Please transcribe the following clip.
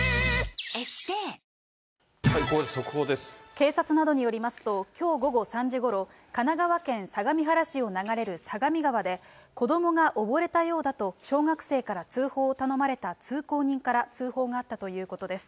警察などによりますと、きょう午後３時ごろ、神奈川県相模原市を流れる相模川で、子どもが溺れたようだと、小学生から通報を頼まれた通行人から通報があったということです。